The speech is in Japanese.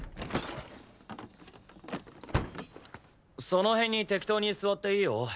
その辺に適当に座っていいよ。